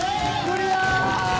クリア。